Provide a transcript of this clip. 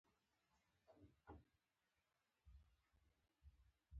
مچان د بوی سره حساس دي